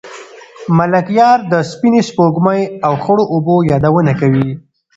ملکیار د سپینې سپوږمۍ او خړو اوبو یادونه کوي.